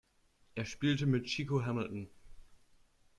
Er spielte mit Chico Hamilton.